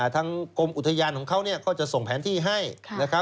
ทางกรมอุทยานของเขาก็จะส่งแผนที่ให้นะครับ